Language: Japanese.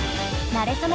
なれそめ！